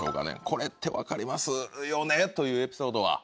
これってわかりますよね？というエピソードは。